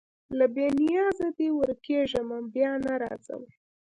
له بې نیازیه دي ورکېږمه بیا نه راځمه